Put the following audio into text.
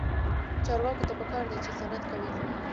چارواکو ته پکار ده چې، صنعت قوي کړي.